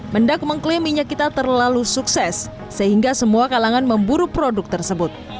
mendak mengklaim minyak kita terlalu sukses sehingga semua kalangan memburu produk tersebut